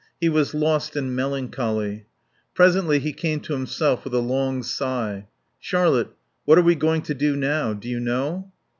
He was lost in melancholy. Presently he came to himself with a long sigh "Charlotte, what are we going to do now? Do you know?"